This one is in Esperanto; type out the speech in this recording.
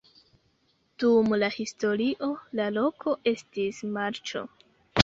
Dum la historio la loko estis marĉo.